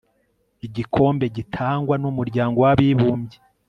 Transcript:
igikombe gitangwa n'umuryango w'abibumbye